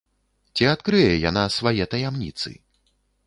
Ці адкрые яна свае таямніцы?